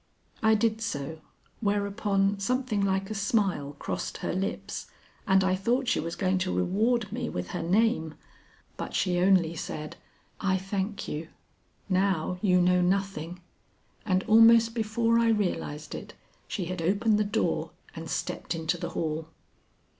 I did so, whereupon something like a smile crossed her lips and I thought she was going to reward me with her name, but she only said, "I thank you; now you know nothing;" and almost before I realized it she had opened the door and stepped into the hall.